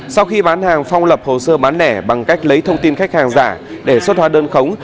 sau khi bán hàng phong lập hồ sơ bán lẻ bằng cách lấy thông tin khách hàng giả để xuất hóa đơn khống